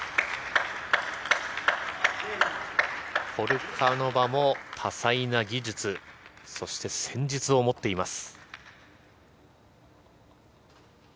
ポルカノバも多彩な技術そして戦術を持っています。